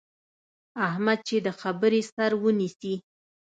احمد چې د خبرې سر ونیسي،